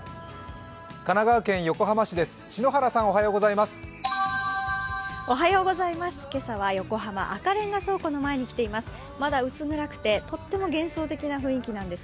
神奈川県横浜市です。